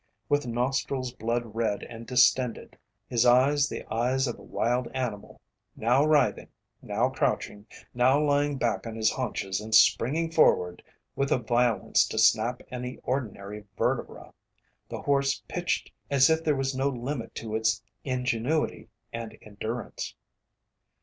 With nostrils blood red and distended, his eyes the eyes of a wild animal, now writhing, now crouching, now lying back on his haunches and springing forward with a violence to snap any ordinary vertebra, the horse pitched as if there was no limit to its ingenuity and endurance.